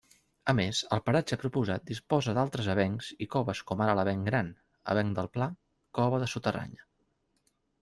A més el paratge proposat disposa d'altres avencs i coves com ara l'avenc Gran, avenc del Pla, Cova de Soterranya.